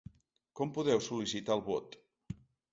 Com podeu sol·licitar el vot?